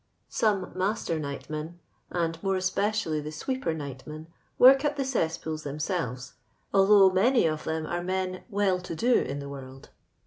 Some mnster nightmen, and more espociQlly the sweeper nightmen, work at the cesspools themselves, although many of them arc men " well to do in the world."